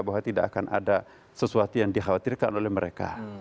bahwa tidak akan ada sesuatu yang dikhawatirkan oleh mereka